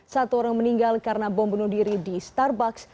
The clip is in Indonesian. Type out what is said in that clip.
satu orang meninggal karena bom bunuh diri di starbucks